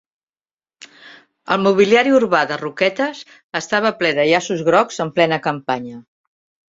El mobiliari urbà de Roquetes estava ple de llaços grocs en plena campanya